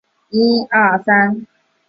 他是约翰二世和的幼子。